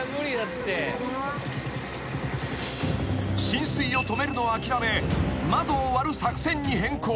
［浸水を止めるのを諦め窓を割る作戦に変更］